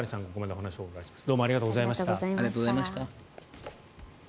お話をお伺いしました。